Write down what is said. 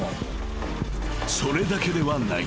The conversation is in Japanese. ［それだけではない。